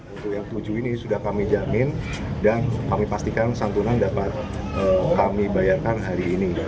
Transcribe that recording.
untuk yang tujuh ini sudah kami jamin dan kami pastikan santunan dapat kami bayarkan hari ini